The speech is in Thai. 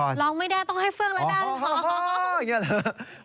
ร้องไม่ได้ต้องให้เฟืองละก่อนโฮอย่างนี้หรอ